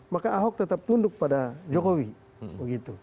maka ahok tetap tunduk pada jokowi begitu